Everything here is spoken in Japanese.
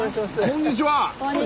こんにちは。